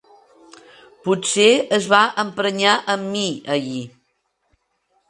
Potser es va emprenyar amb mi, ahir.